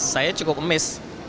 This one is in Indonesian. saya cukup miss